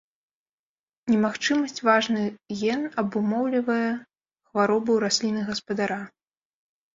Немагчымасць важны ген абумоўлівае хваробу ў расліны-гаспадара.